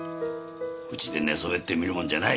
うちで寝そべって観るもんじゃない！